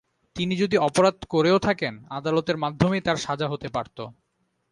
তিনি যদি অপরাধ করেও থাকেন, আদালতের মাধ্যমেই তাঁর সাজা হতে পারত।